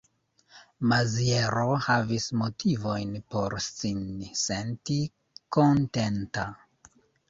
Maziero havis motivojn por sin senti kontenta.